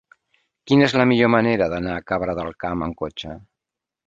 Quina és la millor manera d'anar a Cabra del Camp amb cotxe?